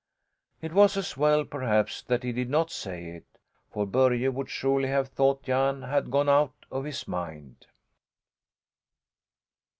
It was as well, perhaps, that he did not say it, for Börje would surely have thought Jan had gone out of his mind.